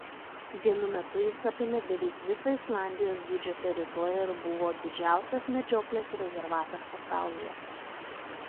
Vienu metu jis apėmė beveik Islandijos dydžio teritoriją ir buvo didžiausias medžioklės rezervatas pasaulyje.